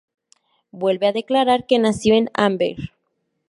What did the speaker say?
Vuelve a declarar que nació en Amberg.